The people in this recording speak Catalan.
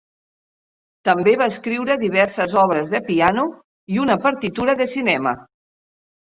També va escriure diverses obres de piano i una partitura de cinema.